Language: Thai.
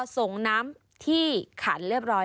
ส่งน้ำที่ขันเรียบร้อย